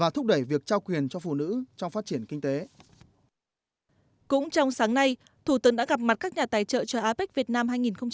trong sáng nay thủ tướng đã gặp mặt các nhà tài trợ cho apec việt nam hai nghìn một mươi bảy